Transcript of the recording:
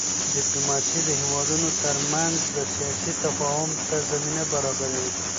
ډیپلوماسي د هېوادونو ترمنځ د سیاست تفاهم ته زمینه برابروي.